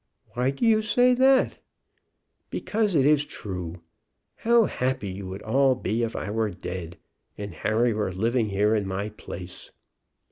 "Why do you say that?" "Because it is true. How happy you would all be if I were dead, and Harry were living here in my place."